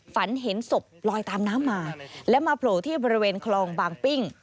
ฝันเห็นศพลอยตามน้ำมาและมาโผล่ที่บริเวณคลองบางปิ้ง